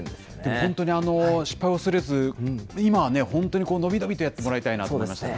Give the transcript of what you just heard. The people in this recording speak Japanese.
本当に失敗を恐れず、今ね、本当に伸び伸びとやってもらいたそうですね。